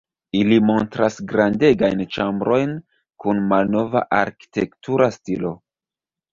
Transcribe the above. Ili montras grandegajn ĉambrojn kun malnova arkitektura stilo.